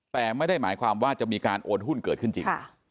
แต่ไม่ได้หมายความว่าจะมีการโอนหุ้นเกิดขึ้นจริง